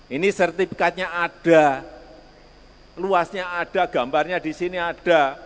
ini sertifikatnya ada luasnya ada gambarnya di sini ada